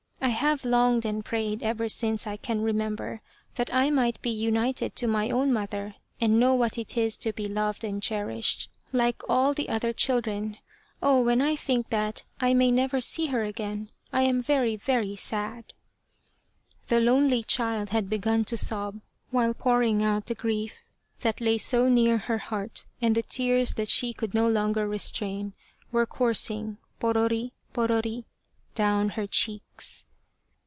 I have longed and prayed ever since I can remember that I might be united to my own mother, and know what it is to be loved and cherished like all the other 21 The Quest of the Sword children ! Oh, when I think that I may never see her again, I am very, very sad !" The lonely child had begun to sob while pouring out the grief that lay so near her heart, and the tears that she could no longer restrain were coursing, porori, porori, down her cheeks.